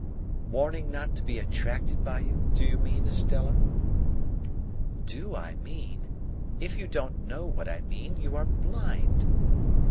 "Warning not to be attracted by you, do you mean, Estella?" "Do I mean! If you don't know what I mean, you are blind."